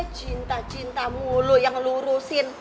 cinta cinta mulu yang lo urusin